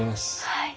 はい。